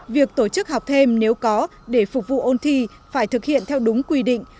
việc tổ chức học thêm nếu có để phục vụ ôn thi phải thực hiện theo đúng quy định